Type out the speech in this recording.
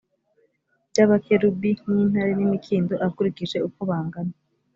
by’abakerubi n’intare n’imikindo akurikije uko bangana